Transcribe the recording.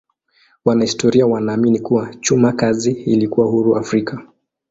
Wanahistoria wanaamini kuwa chuma kazi ilikuwa huru Afrika.